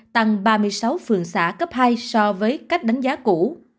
tăng ba mươi sáu phường xã cấp hai so với cách đánh giá cũ